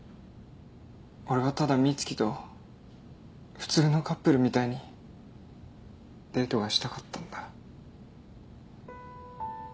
俺はただ美月と普通のカップルみたいにデートがしたかったんだ。